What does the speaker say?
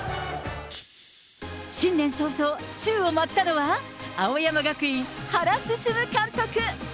新年早々、宙を舞ったのは、青山学院、原晋監督。